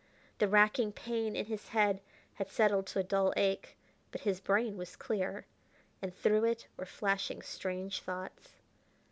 The racking pain in his head had settled to a dull ache, but his brain was clear, and through it were flashing strange thoughts.